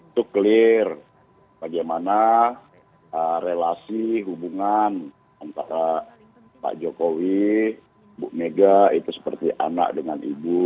itu clear bagaimana relasi hubungan antara pak jokowi bu mega itu seperti anak dengan ibu